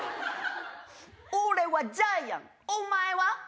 俺はジャイアンお前は？